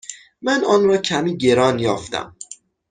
من آن را کمی گران یافتم.